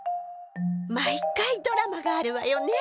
毎回ドラマがあるわよね。